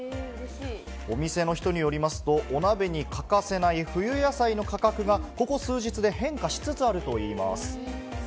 お店の人によりますと、お鍋に欠かせない冬野菜の価格が、ここ数日で変化しつつあるといいます。